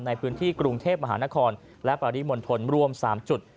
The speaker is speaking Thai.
ในพื้นที่กรุงเทพมหานครและปริมณฑลรวม๓จุด